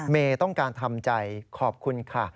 เมย์ต้องการทำใจขอบคุณค่ะ